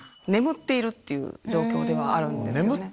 眠っているっていう状況ではあるんですよね。